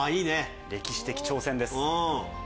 歴史的挑戦です。